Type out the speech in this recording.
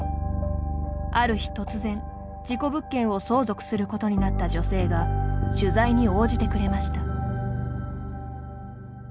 ある日突然、事故物件を相続することになった女性が取材に応じてくれました。